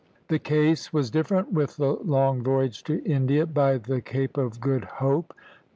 The case was different with the long voyage to India by the Cape of Good Hope.